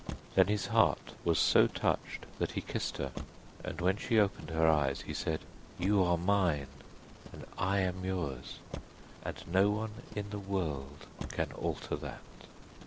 Then his heart was so touched that he kissed her, and when she opened her eyes he said: 'You are mine, and I am yours, and no one in the world can alter that.